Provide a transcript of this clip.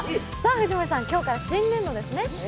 藤森さん、今日から新年度ですね。